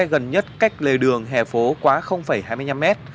dừng xe gần nhất cách lề đường hẻ phố quá hai mươi năm m